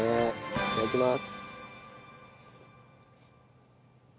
いただきます。